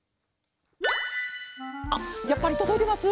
あっやっぱりとどいてます？